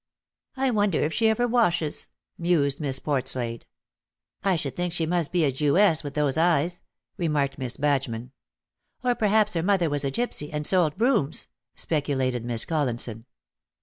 " I wonder if she ever washes," mused Miss Portslade. " I should think she must be a Jewess, with those eyes," remarked Miss Badgeman. "Or perhaps her mother was a gipsy, and sold brooms," speculated Miss Collinson.